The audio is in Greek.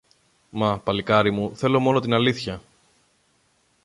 Μα, παλικάρι μου, θέλω μόνο την αλήθεια